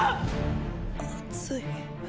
熱い。